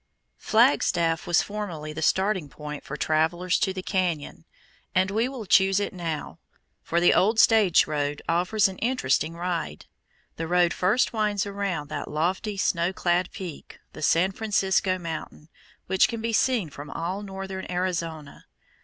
Flagstaff was formerly the starting point for travellers to the cañon, and we will choose it now, for the old stage road offers an interesting ride. The road first winds around that lofty snow clad peak, the San Francisco Mountain, which can be seen from all northern Arizona.